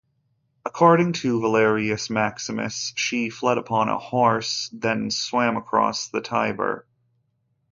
According to Valerius Maximus, she fled upon a horse, then swam across the Tiber.